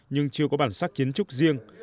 nhưng chưa có bản sắc kiến trúc riêng